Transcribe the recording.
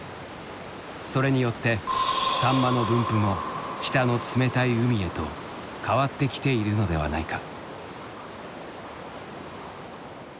それによってサンマの分布も北の冷たい海へと変わってきているのではないか。